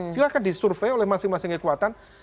silahkan disurvey oleh masing masing kekuatan